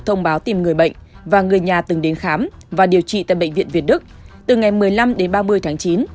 thông báo tìm người bệnh và người nhà từng đến khám và điều trị tại bệnh viện việt đức từ ngày một mươi năm đến ba mươi tháng chín